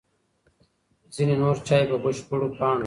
ځینې نور چای په بشپړو پاڼو وي.